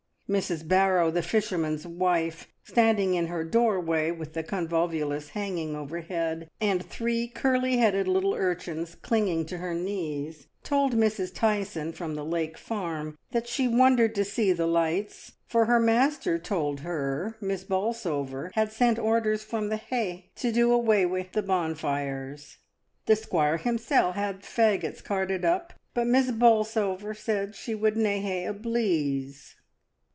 Mrs. Barrow, the fisherman's wife, standing in her doorway, with the convolvulus hang ing overhead and three curly headed little urchins clinging to her knees, told Mrs. Tyson from the Lake Farm, that she wondered to see the lights, for her master told her Miss Bolsover had sent orders from the Ha' to "do away wi' the bonfires. The BEACON FIRES. I2g squire himser had the faggots carted up, but Miss Bolsover said she would na' ha' a bleeze."